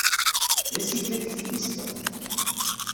D asigna deg teftist ass-a.